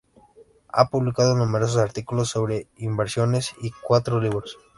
Ha publicado numerosos artículos sobre inversiones y cuatro libros.